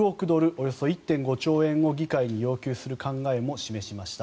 およそ１．５兆円を議会に要求する考えも示しました。